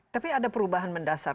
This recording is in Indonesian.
tapi ada perubahan mendasar